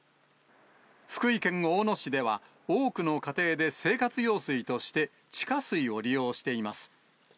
福井県大野市では、多くの家庭で生活用水として、地下水を利用しています。